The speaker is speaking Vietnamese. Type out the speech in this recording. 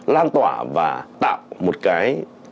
lan tỏa và tạo một cái